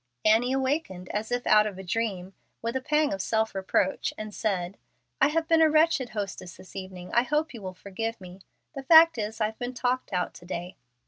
Annie awakened, as if out of a dream, with a pang of self reproach, and said, "I have been a wretched hostess this evening. I hope you will forgive me. The fact is, I've been talked out to day."